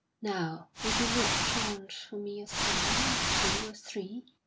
Now will you not chaunt for me a song or two or three?"